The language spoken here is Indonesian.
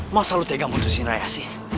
masa lu tegang untuk si naya sih